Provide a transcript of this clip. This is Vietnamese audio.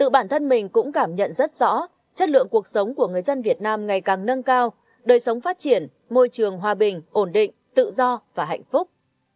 bản thân mình cũng cảm nhận rất rõ chất lượng cuộc sống của người dân việt nam ngày càng nâng cao đời sống phát triển môi trường hòa bình ổn định tự do và hạnh phúc